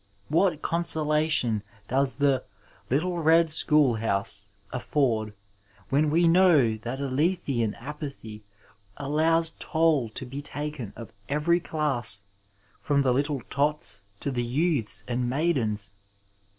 What consolation does the ^ little red school housa' aiSord when we know that a Lethean apathy allows toll to be taken of every class, from the little tots to the jrouths and maidens